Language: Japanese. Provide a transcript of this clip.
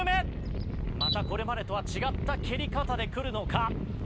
またこれまでとは違った蹴り方でくるのか？